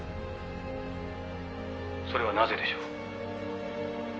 「それはなぜでしょう？」